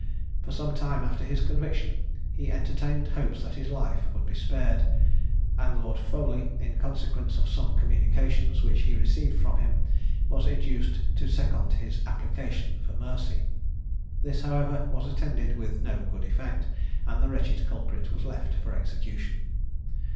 For some time after his conviction, he entertained hopes that his life would be spared, and Lord Foley, in consequence of some communications which he received from him, was induced to second his application for mercy. This, however, was attended with no good effect, and the wretched culprit was left for execution.